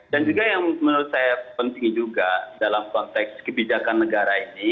dan juga yang menurut saya penting juga dalam konteks kebijakan negara ini